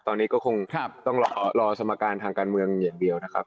ตอนนี้ก็คงต้องรอสมการทางการเมืองอย่างเดียวนะครับ